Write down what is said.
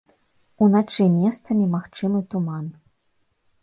Уначы месцамі магчымы туман.